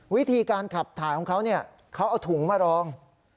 วิธีการขับถ่ายของเขาเขาเอาถุงมารอง